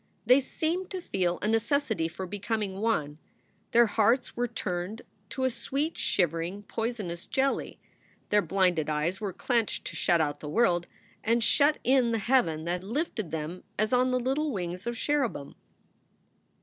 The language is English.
They seemed to feel a necessity for becoming one; their hearts were turned to a sweet, shivering, poisonous jelly. Their blinded eyes were clenched to shut out the world and shut in the heaven that lifted them as on the little wings of cherubim.